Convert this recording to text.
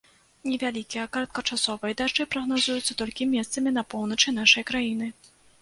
Невялікія кароткачасовыя дажджы прагназуюцца толькі месцамі на поўначы нашай краіны.